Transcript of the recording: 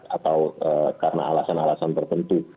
atau karena alasan alasan tertentu